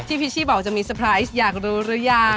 พิชชี่บอกจะมีเตอร์ไพรส์อยากรู้หรือยัง